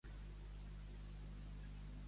A quin déu s'hi venera, fonamentalment?